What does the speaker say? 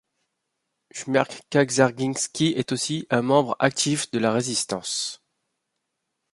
Shmerke Kaczerginski est aussi un membre actif de la résistance.